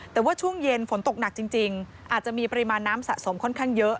แต่ว่าช่วงเย็นฝนตกหนักจริงอาจจะมีปริมาณน้ำสะสมค่อนข้างเยอะ